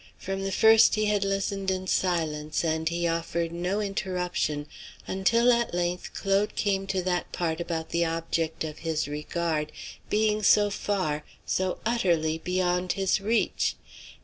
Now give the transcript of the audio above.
From the first he had listened in silence and he offered no interruption until at length Claude came to that part about the object of his regard being so far, so utterly, beyond his reach.